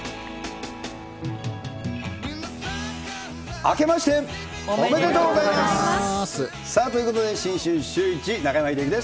あけましておめでとうございます。ということで、新春シューイチ、中山秀征です。